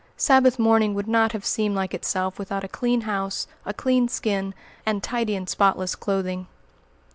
Sabbath morning would not have seemed like itself without a clean house, a clean skin, and tidy and spotless clothing.